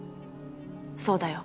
そうだよ。